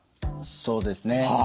そうですね。